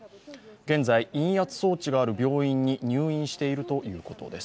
現在、陰圧装置がある病院に入院しているということです。